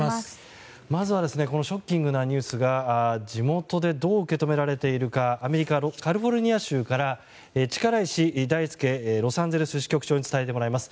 まずはショッキングなニュースが地元でどう受け止められているかアメリカ・カリフォルニア州から力石大輔ロサンゼルス支局長に伝えてもらいます。